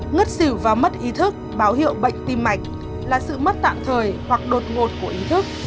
ngất xỉu và mất ý thức báo hiệu bệnh tim mạch là sự mất tạm thời hoặc đột ngột của ý thức